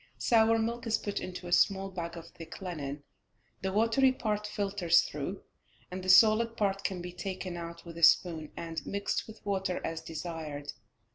Sour milk is put into a small bag of thick linen, the watery part filters through, and the solid part can be taken out with a spoon, and mixed with water as desired.